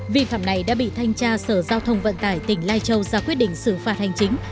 vi phạm này đã bị thanh tra sở giao thông vận tải tỉnh lai châu ra quyết định xử phạt hành chính